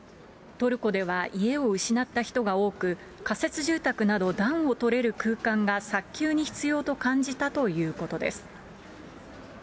トルコでは家を失った人が多く、仮設住宅など暖をとれる空間が早急に必要と感じたということです。